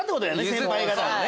先輩方に。